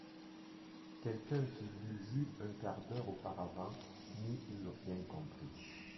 Quelqu'un qui l'eût vue un quart d'heure auparavant n'y eût rien compris.